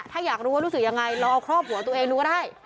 ถ้าอยากรู้ว่ารู้สึกยังไงลองเอาครอบหัวตัวเองดูก็ได้